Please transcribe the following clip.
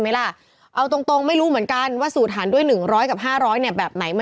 อ่าอ่าอ่าอ่าอ่าอ่าอ่าอ่าอ่าอ่า